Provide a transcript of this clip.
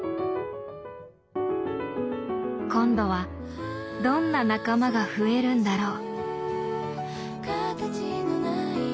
今度はどんな仲間が増えるんだろう？